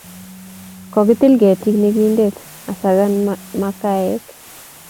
Kokitil ketit ne kinte asakan makaek